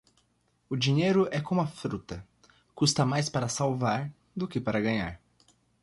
O dinheiro é como a fruta, custa mais para salvar do que para ganhar.